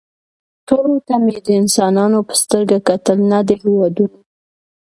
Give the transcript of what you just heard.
ټولو ته مې د انسانانو په سترګه کتل نه د هېوادونو